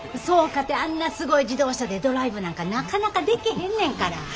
そうかてあんなすごい自動車でドライブなんかなかなかでけへんねんから。